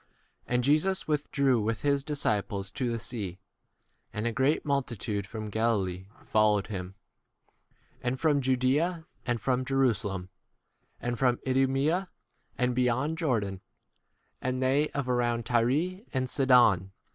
7 And Jesus withdrew with his disciples to the sea ; and a great multitude from Galilee followed 8 him ; and from Judea, and from Jerusalem, and from Idumea and beyond Jordan, and they of around Tyre and Sidon.